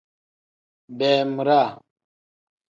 Beemiraa.